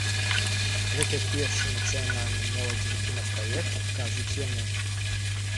Гэта першы нацыянальны моладзевы кінапраект, кажуць яны.